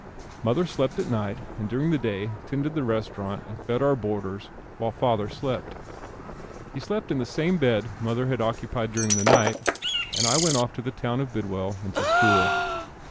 Mother slept at night and during the day tended the restaurant and fed our boarders while father slept. He slept in the same bed mother had occupied during the night and I went off to the town of Bidwell and to school.